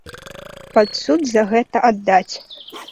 Пад суд за гэта аддаць!